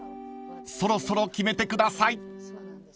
そろそろ決めてください］